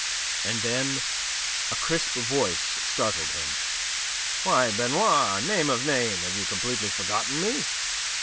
And then a crisp voice startled him. "Why, Benoit! Name of a name! Have you completely forgotten me?"